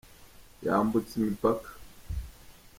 yambutse imipaka.